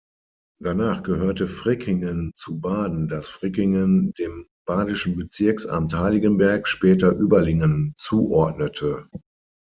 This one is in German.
Danach gehörte Frickingen zu Baden, das Frickingen dem badischen Bezirksamt Heiligenberg, später Überlingen zuordnete.